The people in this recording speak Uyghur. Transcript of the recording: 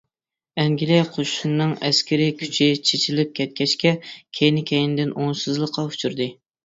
ئەنگلىيە قوشۇنىنىڭ ئەسكىرى كۈچى چېچىلىپ كەتكەچكە، كەينى-كەينىدىن ئوڭۇشسىزلىققا ئۇچرىدى.